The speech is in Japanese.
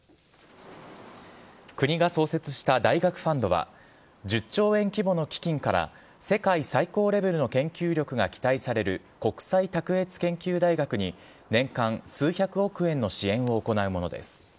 国が創設した大学ファンドは、１０兆円規模の基金から世界最高レベルの研究力が期待される、国際卓越研究大学に年間数百億円の支援を行うものです。